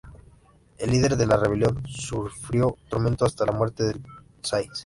El líder de la rebelión sufrió tormento hasta la muerte en Sais.